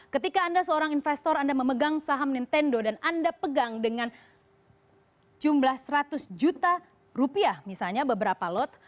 ketika anda seorang investor anda memegang saham nintendo dan anda pegang dengan jumlah seratus juta rupiah misalnya beberapa lot